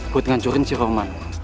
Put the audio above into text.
gue udah ngacurin si roman